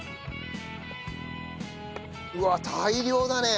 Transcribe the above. うわっ大量だね。